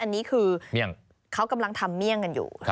อันนี้คือเขากำลังทำเมี่ยงกันอยู่